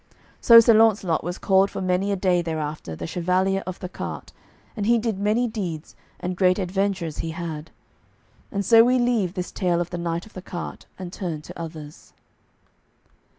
So Sir Launcelot was called for many a day thereafter the Chevalier of the Cart, and he did many deeds, and great adventures he had. And so we leave this tale of the Knight of the Cart, and turn to others.